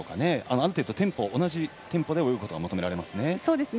ある程度同じテンポで泳ぐことが求められますね。